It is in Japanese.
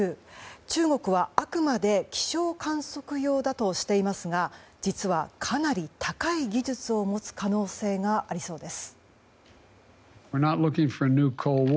中国はあくまで気象観測用だとしていますが実は、かなり高い技術を持つ可能性がありそうです。